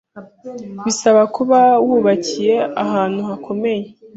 bisaba kuba wubakiye ahantu hakomeye.